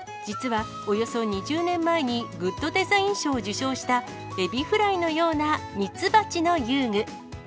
実はおよそ２０年前に、グッドデザイン賞を受賞した、エビフライのような蜜蜂の遊具。